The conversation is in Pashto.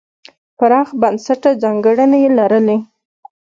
پراخ بنسټه ځانګړنې یې لرلې.